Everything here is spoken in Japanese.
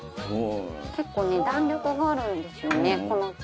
結構ね弾力があるんですよね